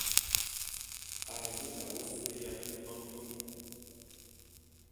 A zu tabe ôsôé yat e mane me nku.